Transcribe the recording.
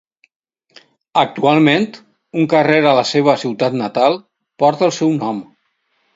Actualment, un carrer a la seva ciutat natal porta el seu nom.